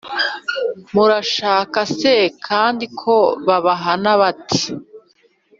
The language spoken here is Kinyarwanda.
Murashaka se kandi ko babahana bate,